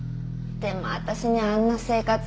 でも私にはあんな生活。